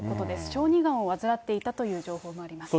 小児がんを患っていたという情報もあります。